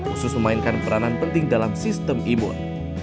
khusus memainkan peranan penting dalam sistem imun